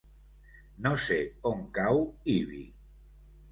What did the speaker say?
No sé on cau Ibi.